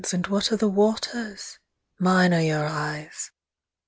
And what are the waters ? Mine are your eyes